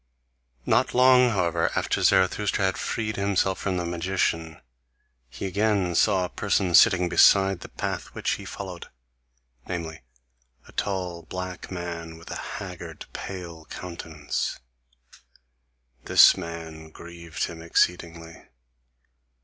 Not long, however, after Zarathustra had freed himself from the magician, he again saw a person sitting beside the path which he followed, namely a tall, black man, with a haggard, pale countenance: THIS MAN grieved him exceedingly.